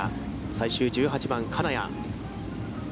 最終１８番、金谷。